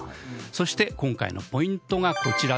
そして、今回のポイントがこちら。